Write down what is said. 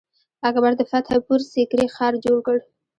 اکبر د فتح پور سیکري ښار جوړ کړ.